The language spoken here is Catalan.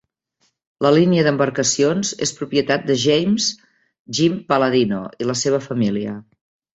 La línia d'embarcacions és propietat de James "Jim" Palladino i la seva família.